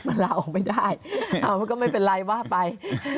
มันลาออกไม่ได้มันก็ไม่เป็นไรว่าไป